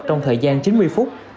trong thời gian chín mươi phút